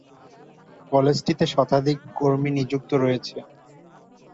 কলেজটিতে শতাধিক কর্মী নিযুক্ত রয়েছে।